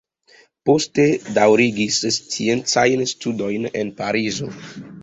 Poste daŭrigis sciencajn studojn en Parizo.